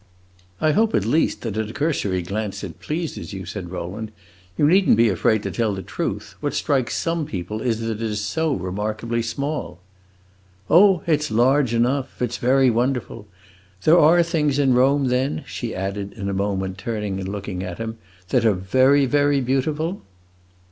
"I hope, at least, that at a cursory glance it pleases you," said Rowland. "You need n't be afraid to tell the truth. What strikes some people is that it is so remarkably small." "Oh, it's large enough; it's very wonderful. There are things in Rome, then," she added in a moment, turning and looking at him, "that are very, very beautiful?"